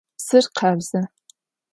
Psır khabze.